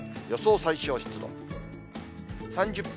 予想最小湿度。